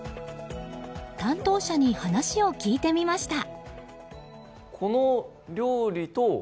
担当者に話を聞いてみました。